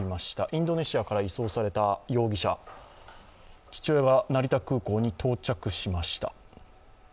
インドネシアから移送された容疑者、父親が成田空港に到着しました。